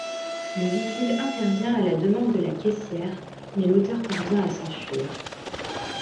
Le vigile intervient à la demande de la caissière mais l’auteur parvient à s’enfuir...